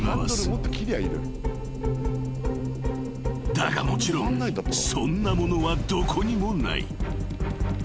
［だがもちろんそんなものはどこにもない］